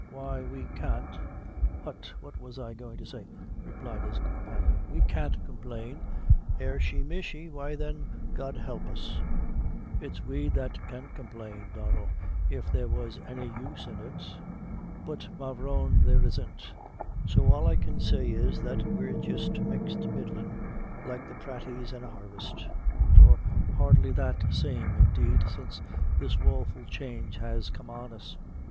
"Why we can't hut, what was I goin' to say?" replied his companion; "we can't complain ershi mishi! why, then, God help us, it's we that can complain, Donnel, if there was any use in it; but, mavrone, there isn't; so all I can say is, that we're jist mixed middlin', like the praties in a harvest, or hardly that same, indeed, since this woful change that has come on us."